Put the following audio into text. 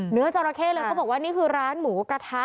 จราเข้เลยเขาบอกว่านี่คือร้านหมูกระทะ